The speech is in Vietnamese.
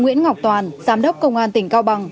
nguyễn ngọc toàn giám đốc công an tỉnh cao bằng